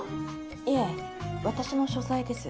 いえ私の書斎です。